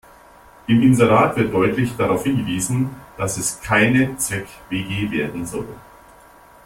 Im Inserat wird deutlich darauf hingewiesen, dass es keine Zweck-WG werden soll.